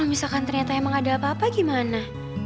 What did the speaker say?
misalkan ternyata emang ada apa apa gimana